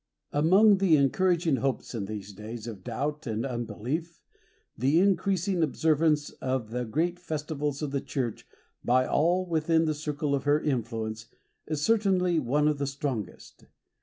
Among the encouraging hopes in these days of doubt and unbelief, the increasing observance of the great festivals of the Church by all within the circle of her influence is cer tainly one of the strongest.